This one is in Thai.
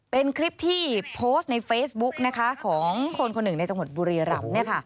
เป็นคลิปที่โพสต์ในเฟซบุ๊คนะคะของคนหนึ่งในจังหวัดบูรีรัมเนี่ยค่ะ